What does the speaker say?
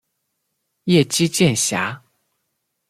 叶基渐狭。